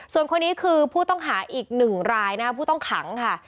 ส่วนคนนี้คือผู้ต้องหาอีกหนึ่งรายนะครับผู้ต้องขังค่ะ